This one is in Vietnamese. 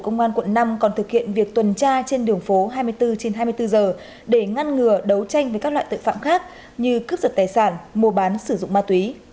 công an quận năm còn thực hiện việc tuần tra trên đường phố hai mươi bốn trên hai mươi bốn giờ để ngăn ngừa đấu tranh với các loại tội phạm khác như cướp giật tài sản mua bán sử dụng ma túy